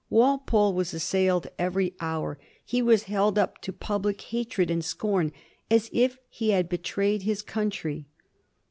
Walpole was assailed every hour — he was held up to public hatred and scorn as if he had betrayed his country.